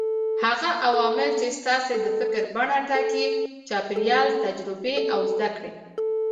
هغه عوامل چې ستاسې د فکر بڼه ټاکي: چاپېريال، تجربې او زده کړې.